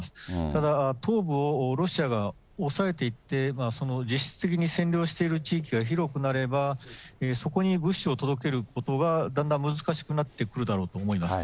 ただ、東部をロシアが押さえていって、その実質的に占領している地域が広くなれば、そこに物資を届けることがだんだん難しくなってくるだろうと思います。